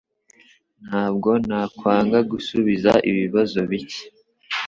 Ntabwo nakwanga gusubiza ibibazo bike.